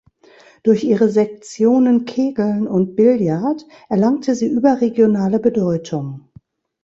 Durch ihre Sektionen Kegeln und Billard erlangte sie überregionale Bedeutung.